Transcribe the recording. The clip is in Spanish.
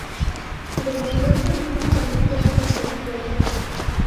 Desde entonces han aparecido otras versiones.